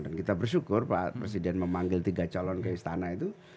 dan kita bersyukur pak presiden memanggil tiga calon ke istana itu